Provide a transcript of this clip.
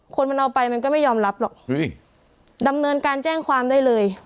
คนมันเอาไปมันก็ไม่ยอมรับหรอกดำเนินการแจ้งความได้เลย